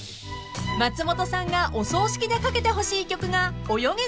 ［松本さんがお葬式でかけてほしい曲が『およげ！